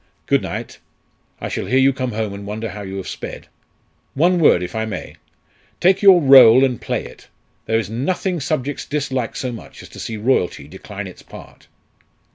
"Good night! I shall hear you come home and wonder how you have sped. One word, if I may! Take your rôle and play it. There is nothing subjects dislike so much as to see royalty decline its part."